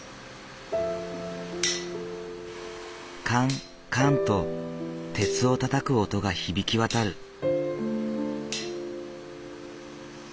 カンカンと鉄をたたく音が響き渡る。